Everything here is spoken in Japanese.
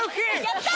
やった！